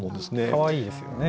かわいいですよね。